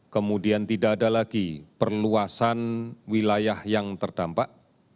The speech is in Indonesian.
kemudian tidak ada lagi perluasan wilayah yang terdampak